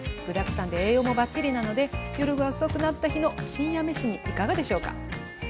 具だくさんで栄養もバッチリなので夜が遅くなった日の深夜飯にいかがでしょうか？